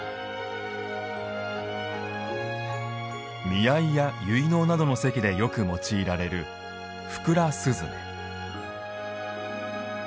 見合いや結納などの席でよく用いられる「ふくら雀」。